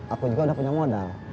aku juga udah punya modal